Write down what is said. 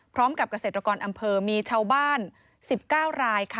พร้อมกับเกษตรกรอำเภอมีชาวบ้าน๑๙รายค่ะ